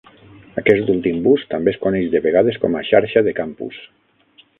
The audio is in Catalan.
Aquest últim ús també es coneix de vegades com a xarxa de campus.